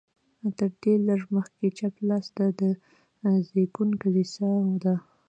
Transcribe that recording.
تر دې لږ مخکې چپ لاس ته د زېږون کلیسا ده.